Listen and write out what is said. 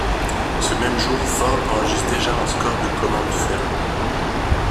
Ce même jour, Ford enregistre déjà un score de commandes fermes.